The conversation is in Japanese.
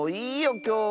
きょうは。